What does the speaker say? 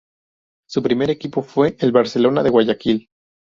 Su primer equipo fue el Barcelona de Guayaquil.